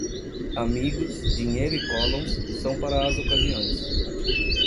Amigos, dinheiro e collons são para as ocasiões.